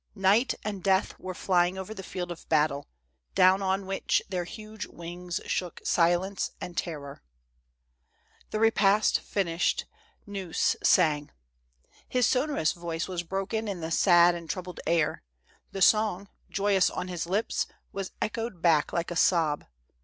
Night and Death were flying over the field of battle, down on which their huge wings shook silence and terror. The repast finished, Gneuss sang. His sonorous voice was broken in the sad and troubled air ; the song, joy ous on his lips, was echoed back like a sob.